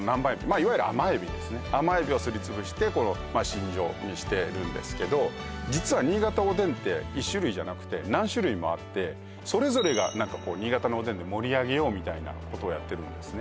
いわゆる甘エビですね甘エビをすりつぶしてしんじょうにしてるんですけど実は１種類じゃなくてそれぞれが新潟のおでんで盛り上げようみたいなことをやってるんですね